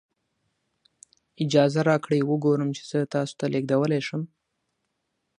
اجازه راکړئ وګورم چې زه تاسو ته لیږدولی شم.